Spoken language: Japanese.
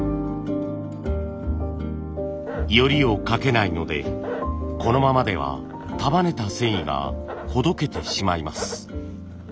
撚りをかけないのでこのままでは束ねた繊維がほどけてしまいます。